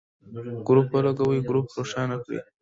ګروپ ولګوئ ، ګروپ روښانه کړئ.